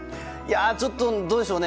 ちょっとどうでしょうね。